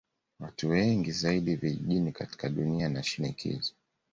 Watu wengi zaidi vijijini katika dunia na shinikizo